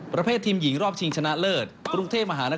ประเภททีมหญิงรอบชิงชนะเลิศ